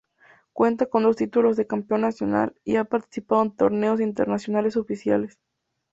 Cuenta con dos títulos de campeón nacional y ha participado en torneos internacionales oficiales.